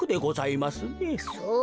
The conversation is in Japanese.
そう。